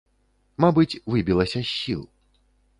Мабыць, выбілася з сіл.